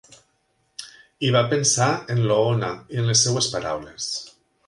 I va pensar en l'Oona i en les seves paraules.